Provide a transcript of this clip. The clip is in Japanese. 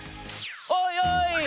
おいおい！